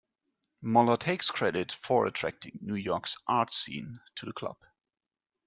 Moller takes credit for attracting New York's art scene to the club.